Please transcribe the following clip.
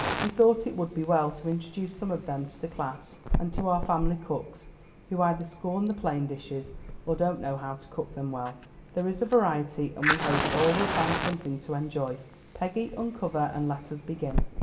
"We thought it would be well to introduce some of them to the class and to our family cooks, who either scorn the plain dishes, or don't know how to cook them well. There is a variety, and we hope all will find something to enjoy. Peggy, uncover, and let us begin."